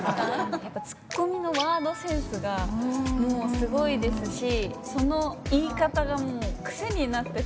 ツッコミのワードセンスがもうすごいですしその言い方がクセになってたまらなくて。